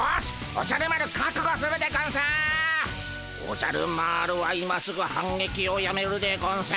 おじゃる丸は今すぐ反撃をやめるでゴンス。